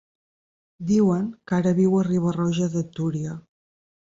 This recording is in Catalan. Diuen que ara viu a Riba-roja de Túria.